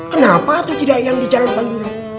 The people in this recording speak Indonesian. kenapa tuh tidak yang di jalan panjungan